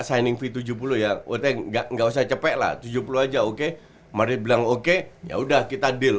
signing fee tujuh puluh ya udah nggak nggak usah capek lah tujuh puluh aja oke mbak pei bilang oke ya udah kita deal